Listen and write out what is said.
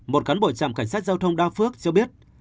một cán bộ trạm cảnh sát giao thông đa phước cho biết